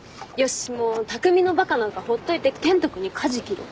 もう匠のバカなんかほっといて健人君に舵切ろう。